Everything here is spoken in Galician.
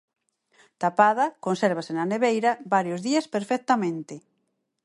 Tapada, consérvase na neveira varios días perfectamente.